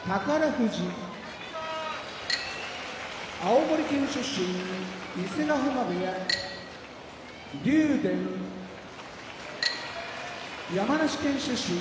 富士青森県出身伊勢ヶ濱部屋竜電山梨県出身